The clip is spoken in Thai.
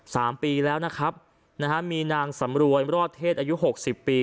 สามปีแล้วนะครับนะฮะมีนางสำรวยรอดเทศอายุหกสิบปี